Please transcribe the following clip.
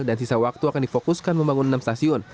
dan sisa waktu akan difokuskan membangun enam stasiun